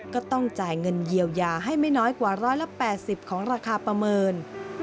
ก็ต้องจ่ายเงินเยียวยาให้ไม่น้อยกว่า๑๘๐ของราคาประเมิน